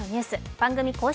番組公式